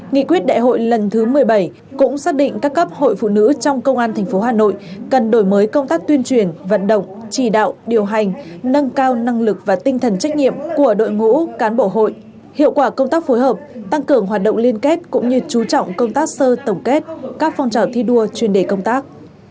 nghị quyết đại hội lần thứ một mươi bảy cũng xác định các cấp hội phụ nữ trong công an tp hà nội cần đổi mới công tác tuyên truyền vận động chỉ đạo điều hành nâng cao năng lực và tinh thần trách nhiệm của đội ngũ cán bộ hội hiệu quả công tác phối hợp tăng cường hoạt động liên kết cũng như chú trọng công tác sơ tổng kết các phong trào thi đua chuyên đề công tác